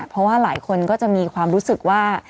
เพราะว่าหลายคนก็จะมีความรู้สึกว่า